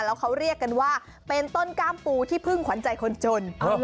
แล้วเขาเรียกกันว่าเป็นต้นกล้ามปูที่พึ่งขวัญใจคนจน